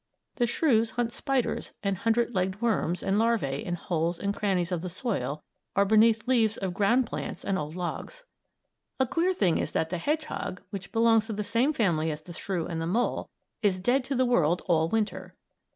The shrews hunt spiders and hundred legged worms and larvæ in holes and crannies of the soil or beneath leaves of ground plants and old logs. [Illustration: LITTLE HEDGEHOG IN MAN'S HAND] A queer thing is that the hedgehog, which belongs to the same family as the shrew and the mole, is dead to the world all Winter.